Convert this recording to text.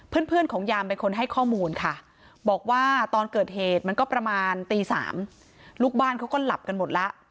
เพื่อนของยามเป็นคนให้ข้อมูลค่ะบอกว่าตอนเกิดเหตุมันก็ประมาณตี๓ลูกบ้านเขาก็หลับกันหมดแล้ว